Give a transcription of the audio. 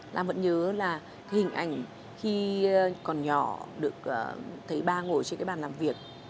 lam vẫn nhớ là hình ảnh khi còn nhỏ được thấy ba ngồi trên cái bàn làm việc